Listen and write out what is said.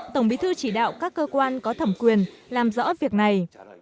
tổng bí thư chỉ đạo các cơ quan có thẩm quyền làm rõ việc này